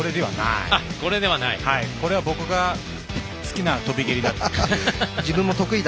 これは僕が好きな跳び蹴りだったと。